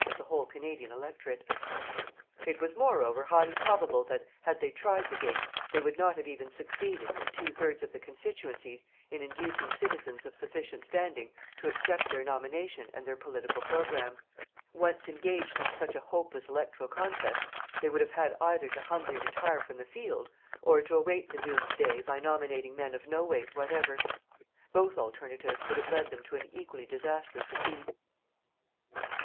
of the whole Canadian electorate. It was moreover highly probable that, had they tried the game, they would not have even succeeded, in two thirds of the constituencies, in inducing citizens of sufficient standing to accept their nomination and their political program. Once engaged in such a hopeless electoral contest, they would have had either to humbly retire from the field, or to await the doomed day by nominating men of no weight whatever. Both alternatives would have led them to an equally disastrous defeat.